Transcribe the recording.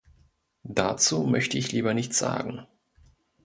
Dazu möchte ich lieber nichts sagen.